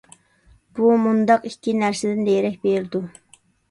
بۇ مۇنداق ئىككى نەرسىدىن دېرەك بېرىدۇ.